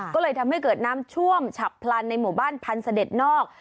ก็เลยทำให้เกิดน้ำท่วมฉับพลันในหมู่บ้านพันธ์เสด็จนอก